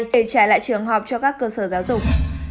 để trả lại trường học cho các cơ sở giáo dục